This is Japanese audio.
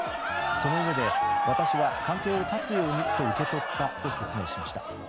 そのうえで私は関係を断つようにと受け取ったと説明しました。